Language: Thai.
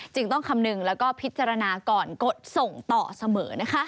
จึงต้องคำนึงแล้วก็พิจารณาก่อนกดส่งต่อเสมอนะคะ